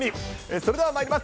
それではまいります。